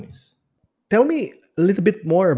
beritahu saya sedikit lebih tentang